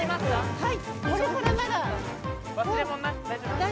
はい。